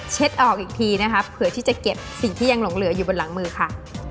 ออกอีกทีนะคะเผื่อที่จะเก็บสิ่งที่ยังหลงเหลืออยู่บนหลังมือค่ะ